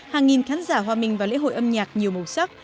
hàng nghìn khán giả hoa minh vào lễ hội âm nhạc nhiều màu sắc